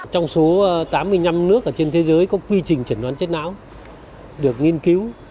trong số tám mươi năm nước trên thế giới có quy trình trần đoán chết não được nghiên cứu